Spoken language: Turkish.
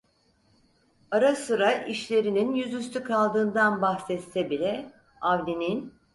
Ara sıra işlerinin yüzüstü kaldığından bahsetse bile, Avni'nin: